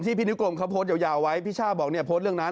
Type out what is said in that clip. พี่นิกรมเขาโพสต์ยาวไว้พี่ช่าบอกเนี่ยโพสต์เรื่องนั้น